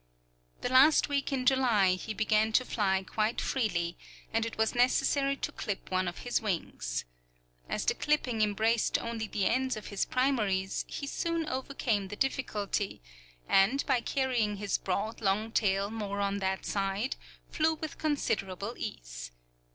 The last week in July he began to fly quite freely, and it was necessary to clip one of his wings. As the clipping embraced only the ends of his primaries, he soon overcame the difficulty, and, by carrying his broad, long tail more on that side, flew with considerable ease.